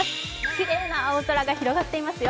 きれいな青空が広がっていますよ。